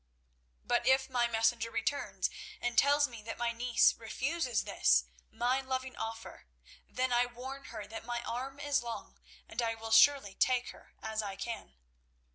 "But if my messenger returns and tells me that my niece refuses this, my loving offer, then I warn her that my arm is long, and I will surely take her as I can.